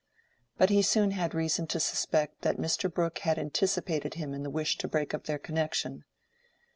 But he soon had reason to suspect that Mr. Brooke had anticipated him in the wish to break up their connection.